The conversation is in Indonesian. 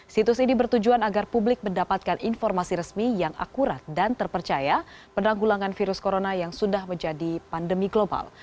situs ini bertujuan agar publik mendapatkan informasi resmi yang akurat dan terpercaya penanggulangan virus corona yang sudah menjadi pandemi global